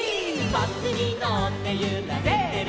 「バスにのってゆられてる」